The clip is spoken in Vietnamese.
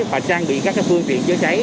và trang bị các cái phương tiện chữa cháy